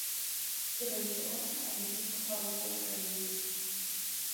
Кіруючы орган алімпійскага руху ў краіне.